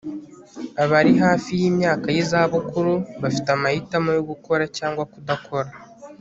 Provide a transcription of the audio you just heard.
abari hafi yimyaka yizabukuru bafite amahitamo yo gukora cyangwa kudakora